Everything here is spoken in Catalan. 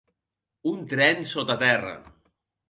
Un tren sota terra